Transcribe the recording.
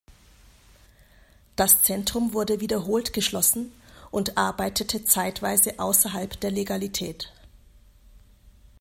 Das Zentrum wurde wiederholt geschlossen und arbeitete zeitweise außerhalb der Legalität.